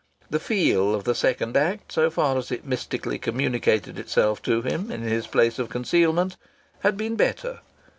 The "feel" of the second act so far as it mystically communicated itself to him in his place of concealment had been better.